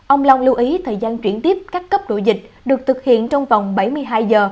ông long lưu ý thời gian chuyển tiếp các cấp độ dịch được thực hiện trong vòng bảy mươi hai giờ